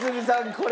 これ。